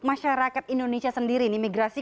masyarakat indonesia sendiri nih migrasi